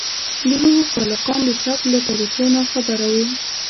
د هغو خالقان د ثبت له طریقو ناخبره وو.